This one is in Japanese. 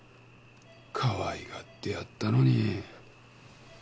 かわいがってやったのに。